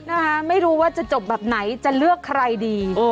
นะคะไม่รู้ว่าจะจบแบบไหนจะเลือกใครดี